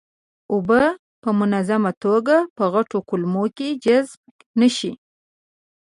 اوبه په منظمه توګه په غټو کولمو کې جذب نشي.